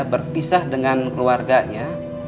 berpisah dengan keluarganya